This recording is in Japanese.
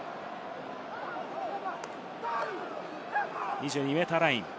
２２ｍライン。